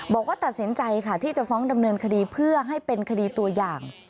บอกว่าตัดสินใจค่ะที่จะฟ้องดำเนินคดีเพื่อให้เป็นคดีตัวอย่าง